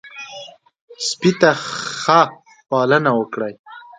سپي ته ښه پالنه وکړئ.